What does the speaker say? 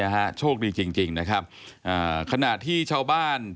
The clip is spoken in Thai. ตกลงไปจากรถไฟได้ยังไงสอบถามแล้วแต่ลูกชายก็ยังไง